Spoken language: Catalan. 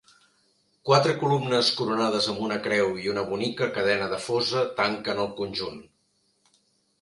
Quatre columnes coronades amb una creu i una bonica cadena de fosa tanquen el conjunt.